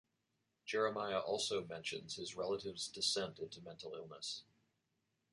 Jeremiah also mentions his relative's descent into mental illness.